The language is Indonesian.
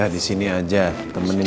harusnya pindah ke rumah